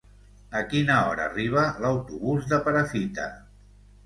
A quina hora arriba l'autobús de Perafita?